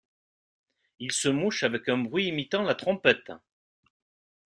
Il se mouche avec un bruit imitant la trompette.